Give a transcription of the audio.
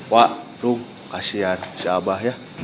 wak tuf kasihan si abah ya